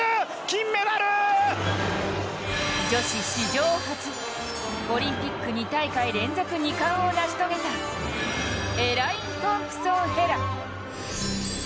金メダル！女子史上初、オリンピック２大会連続２冠を成し遂げたエライン・トンプソン・ヘラ。